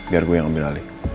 biar gue yang ambil alih